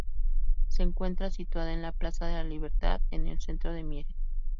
Se encuentra situada en la Plaza de la Libertad, en el centro de Mieres.